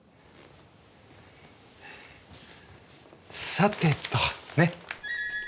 さてとね。